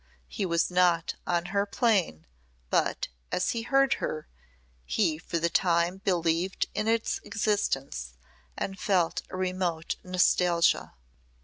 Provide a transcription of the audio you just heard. He was not on her plane, but, as he heard her, he for the time believed in its existence and felt a remote nostalgia.